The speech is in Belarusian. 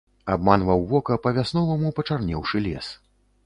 Абманваў вока па-вясноваму пачарнеўшы лес.